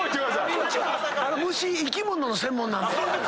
こっちは虫生き物の専門なんで。